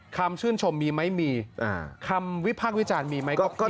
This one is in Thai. คำชื่นชมมีไหมมีคำวิภาควิจารณ์มีไหมก็เทียบ